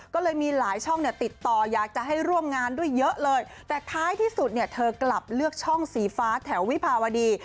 ก็เลยมีหลายช่องเนี่ยติดต่ออยากจะให้ร่วมงานด้วยเยอะเลยแต่ท้ายที่สุดเนี่ยเธอกลับเลือกช่องสีฟ้าแถววิภาวดี